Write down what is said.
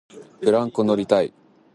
ブランコ乗りたい